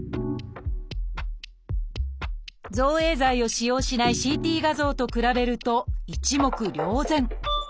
造影剤を使用しないＣＴ画像と比べると一目瞭然。